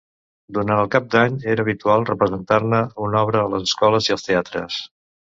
Durant cap d'any era habitual representar-ne una obra a les escoles i als teatres.